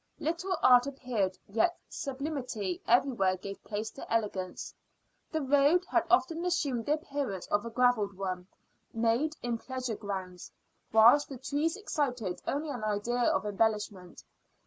Little art appeared, yet sublimity everywhere gave place to elegance. The road had often assumed the appearance of a gravelled one, made in pleasure grounds; whilst the trees excited only an idea of embellishment.